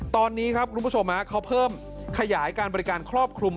ตอนนี้ครับคุณผู้ชมเขาเพิ่มขยายการบริการครอบคลุม